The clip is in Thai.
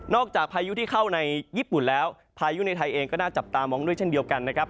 จากพายุที่เข้าในญี่ปุ่นแล้วพายุในไทยเองก็น่าจับตามองด้วยเช่นเดียวกันนะครับ